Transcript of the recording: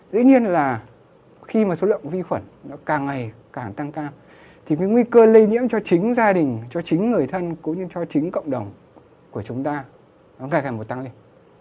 dĩ nhiên là khi mà số lượng vi khuẩn nó càng ngày càng tăng cao thì cái nguy cơ lây nhiễm cho chính gia đình cho chính người thân cũng như cho chính cộng đồng của chúng ta nó ngày càng một tăng lên